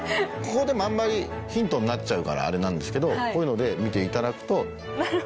あんまりヒントになっちゃうからあれなんですけどこういうので見ていただくと。